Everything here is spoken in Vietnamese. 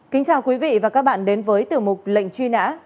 kính chào quý vị và các bạn đến với tiểu mục lệnh truy nã